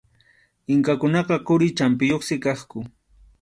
Inkakunaqa quri champiyuqsi kaqku.